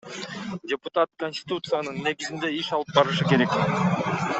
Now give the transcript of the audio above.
Депутат Конституциянын негизинде иш алып барышы керек.